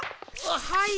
はい！